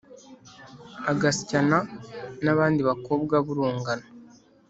agasyana n’abandi bakobwa b’urungano